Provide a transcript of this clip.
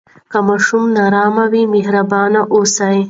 که ماشوم نارامه وي، مهربان اوسه.